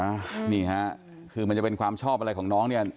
นี่ฮะคือมันจะเป็นความชอบอะไรของน้องเนี่ย